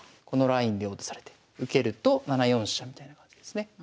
このラインで王手されて受けると７四飛車みたいな感じですね。